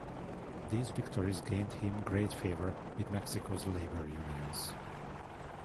These victories gained him great favor with Mexico's labor unions.